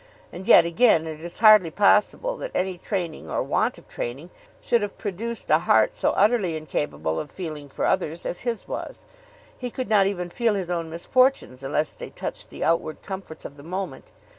And yet again it is hardly possible that any training or want of training should have produced a heart so utterly incapable of feeling for others as was his. He could not even feel his own misfortunes unless they touched the outward comforts of the moment.